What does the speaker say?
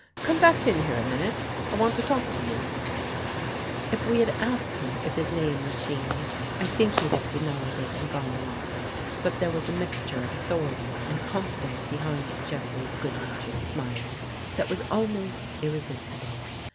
Come back in here, a minute. I want to talk to you." 22 THE FIRST COVERT If we had asked him if his name was Shean, I think he'd have denied it and gone on. But there was a mixture of authority and confidence behind Jeffrey's good natured smile, that was almost irre sistible.